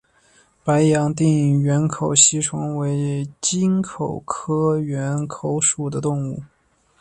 白洋淀缘口吸虫为棘口科缘口属的动物。